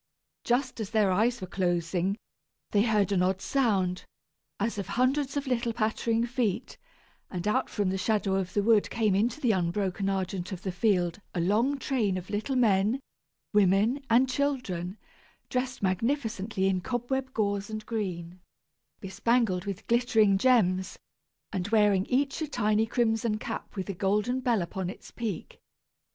Just as their eyes were closing they heard an odd sound, as of hundreds of little pattering feet, and out from the shadow of the wood came into the unbroken argent of the field a long train of little men, women, and children, dressed magnificently in cobweb gauze and green, bespangled with glittering gems, and wearing each a tiny crimson cap with a golden bell upon its peak.